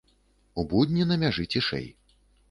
У будні на мяжы цішэй.